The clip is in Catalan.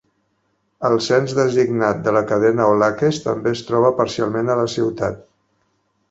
El cens-designat de la cadena O'Lakes també es troba parcialment a la ciutat.